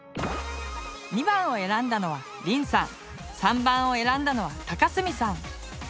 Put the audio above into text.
２番を選んだのはりんさん３番を選んだのはたかすみさん。